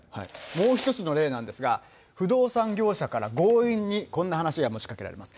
もう１つの例なんですが、不動産業者から強引にこんな話が持ちかけられます。